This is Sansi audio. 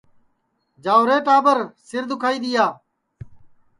جاؤرے ٹاٻر سِر دُؔکھائی دؔیا